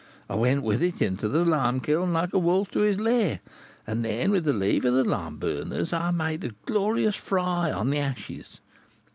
I went with it into the lime kiln like a wolf to his lair, and then, with the leave of the lime burners, I made a glorious fry on the ashes.